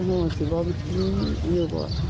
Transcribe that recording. โดนต้องโดนต้องอ่านท่าน